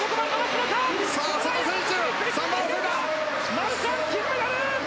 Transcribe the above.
マルシャン金メダル。